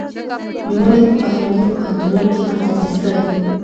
نوموړي په بهرنيو پوهنتونونو کې هم تدريس کړی دی.